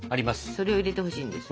それを入れてほしいんです。